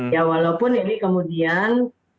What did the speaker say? ya walaupun ini kemudian